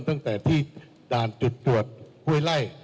ตั้งแต่ที่ด่านจุดโจทย์ฮวยไล่